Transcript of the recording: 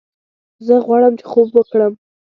زه غواړم چې خوب وکړم